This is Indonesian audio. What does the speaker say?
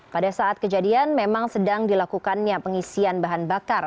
pada saat kejadian memang sedang dilakukannya pengisian bahan bakar